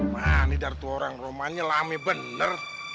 nah ini dari tu orang romanya lami bener